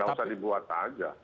nggak usah dibuat saja